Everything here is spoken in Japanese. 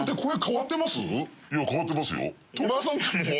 変わってますよ。